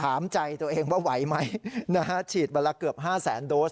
ถามใจตัวเองว่าไหวไหมนะฮะฉีดเวลาเกือบ๕๐๐๐๐๐โดส